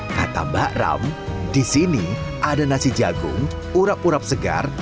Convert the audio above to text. kata mbak ram di sini ada nasi jagung urap urap segar